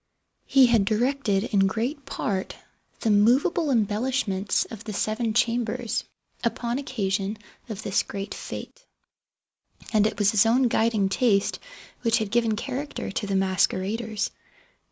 He had directed, in great part, the movable embellishments of the seven chambers, upon occasion of this great fĂŞte; and it was his own guiding taste which had given character to the masqueraders.